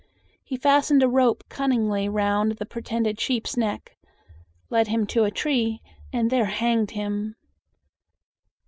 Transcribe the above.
He fastened a rope cunningly round the pretended sheep's neck, led him to a tree, and there hanged him.